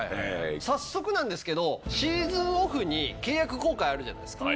早速なんですけどシーズンオフに契約更改あるじゃないですか。